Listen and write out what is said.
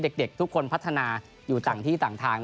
เด็กทุกคนพัฒนาอยู่ต่างที่ต่างทาง